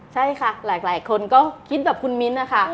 ใช่ค่ะหลายคนก็คิดแบบคุณมิ้นท์นะคะ